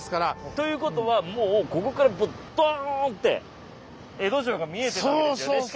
ということはもうここからもうドーンって江戸城が見えてたわけですよね。